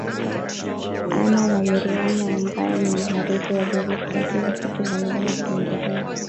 Anna Namiriano ambaye ni mhariri wa gazeti la kila siku la lugha ya kiingereza